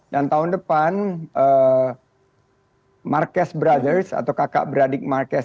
dan tahun depan marques brothers atau kakak beradik marques ini